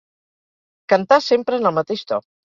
Cantar sempre en el mateix to.